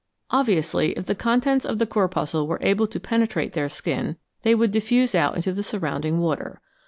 Obviously, if the contents of the corpuscle were able to penetrate their skin, they would diffuse out into the surrounding water.